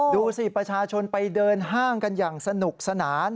ดูสิประชาชนไปเดินห้างกันอย่างสนุกสนาน